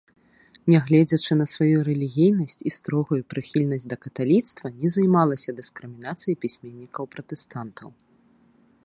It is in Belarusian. Нягледзячы на сваю рэлігійнасць і строгую прыхільнасць да каталіцтва, не займалася дыскрымінацыяй пісьменнікаў-пратэстантаў.